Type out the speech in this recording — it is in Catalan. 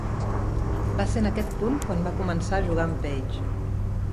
Va ser en aquest punt quan va començar a jugar amb Page.